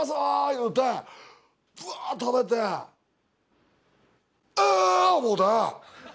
言うてブワッ食べてえっ思うて」。